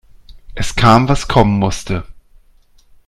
Es kam, was kommen musste.